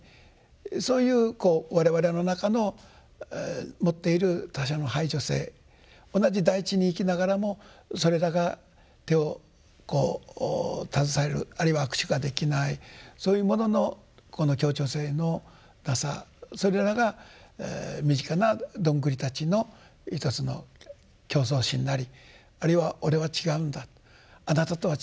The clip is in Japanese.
そういう我々の中の持っている他者の排除性同じ大地に生きながらもそれらが手をこう携えるあるいは握手ができないそういうもののこの協調性のなさそれらが身近などんぐりたちの一つの競争心なりあるいは俺は違うんだあなたとは違うんだと。